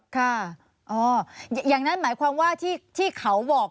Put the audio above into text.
ค่ะอย่างนั้นหมายความว่าที่เขาบอก